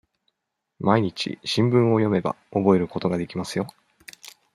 毎日、新聞を読めば、覚えることができますよ。